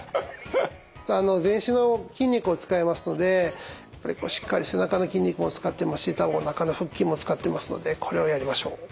全身の筋肉を使いますのでこれしっかり背中の筋肉も使ってますしおなかの腹筋も使ってますのでこれをやりましょう。